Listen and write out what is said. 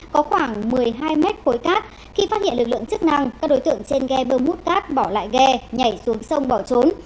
cách khối cát khi phát hiện lực lượng chức năng các đối tượng trên ghe bơm hút cát bỏ lại ghe nhảy xuống sông bỏ trốn